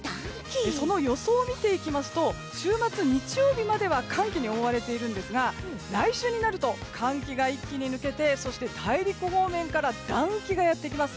その予想を見ていきますと週末、日曜日までは寒気に覆われているんですが来週になると寒気が一気に抜けてそして、大陸方面から暖気がやってきます。